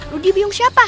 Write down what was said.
lu dibiung siapa